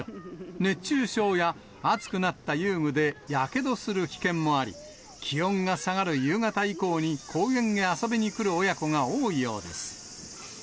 熱中症や熱くなった遊具でやけどする危険もあり、気温が下がる夕方以降に公園へ遊びに来る親子が多いようです。